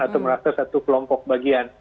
atau merasa satu kelompok bagian